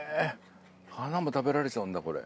花も食べられちゃうんだこれ。